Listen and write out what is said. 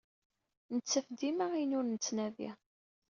Nettaf dima ayen ur nettnadi.